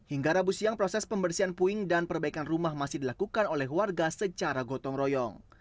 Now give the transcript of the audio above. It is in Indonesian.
hingga rabu siang proses pembersihan puing dan perbaikan rumah masih dilakukan oleh warga secara gotong royong